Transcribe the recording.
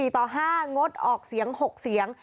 ต่อ๕งดออกเสียง๖เสียง